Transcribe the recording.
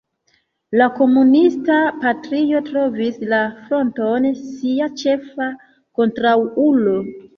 La komunista partio trovis la Fronton sia ĉefa kontraŭulo.